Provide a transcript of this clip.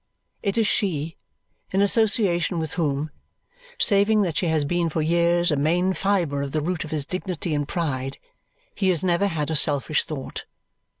It is she in association with whom, saving that she has been for years a main fibre of the root of his dignity and pride, he has never had a selfish thought.